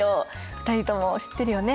２人とも知ってるよね？